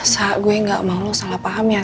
sa gue ga mau lo salah paham ya sa